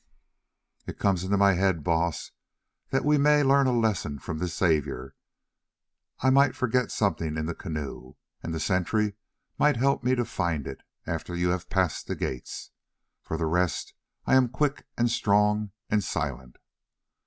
"It comes into my head, Baas, that we may learn a lesson from this Xavier. I might forget something in the canoe, and the sentry might help me to find it after you have passed the gates. For the rest I am quick and strong and silent."